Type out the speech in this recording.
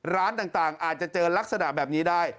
ร้านต่างอาจจะเจอลักษณะแบบนี้ได้